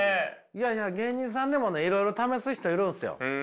いやいや芸人さんでもいろいろ試す人いるんですよ。